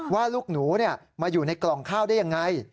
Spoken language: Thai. ว่าลูกหนูมาอยู่ในกล่องข้าวได้ยังไง